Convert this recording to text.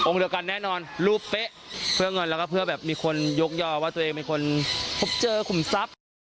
เดียวกันแน่นอนรูปเป๊ะเพื่อเงินแล้วก็เพื่อแบบมีคนยกยอว่าตัวเองเป็นคนพบเจอขุมทรัพย์